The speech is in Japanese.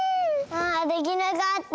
あできなかった。